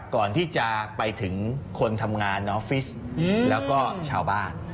ก่อนที่จะไปถึงคนทำงานออฟฟิศแล้วก็ชาวบ้าน